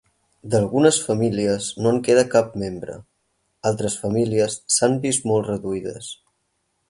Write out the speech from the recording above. D'algunes famílies no en queda cap membre, altres famílies s'han vist molt reduïdes.